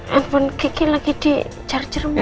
telepon kiki lagi di charger mbak